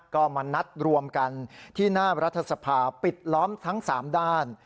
ก็มานัดรวมกันที่หน้ารัฐสภาปิดล้อมทั้ง๓ด้าน